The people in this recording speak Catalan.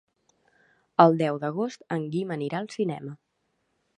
El deu d'agost en Guim anirà al cinema.